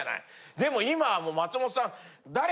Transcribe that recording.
でも今は松本さん。